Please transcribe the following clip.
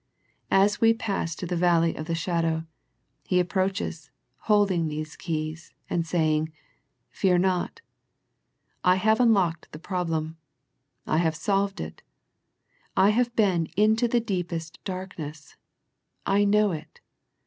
As we pass to the valley of the shadow. He approaches, holding these keys, and saying, " Fear not," I have unlocked the problem. I have solved it, I have been into the deepest darkness, I know it.